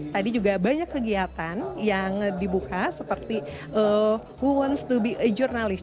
tadi juga banyak kegiatan yang dibuka seperti wowens to be a journalist